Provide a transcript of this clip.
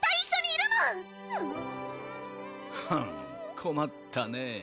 困ったねえ